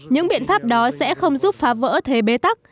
những biện pháp đó sẽ không giúp phá vỡ thế bế tắc